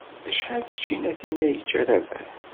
Acḥal n tcinatin ay yecca Rabaḥ?